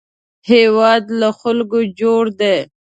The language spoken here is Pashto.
هېواد له خلکو جوړ دی